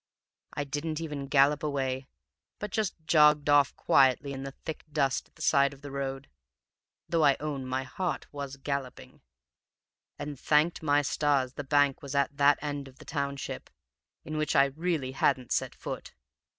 I didn't even gallop away, but just jogged off quietly in the thick dust at the side of the road (though I own my heart was galloping), and thanked my stars the bank was at that end of the township, in which I really hadn't set foot.